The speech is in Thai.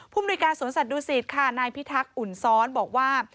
ภูมิโดยการสวนสัตว์ดูซีดค่ะนายพี่ทักอุ่นซ้อนบอกว่า